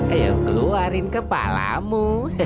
ayo keluarin kepalamu